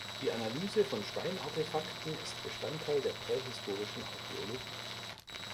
Die Analyse von Steinartefakten ist Bestandteil der prähistorischen Archäologie.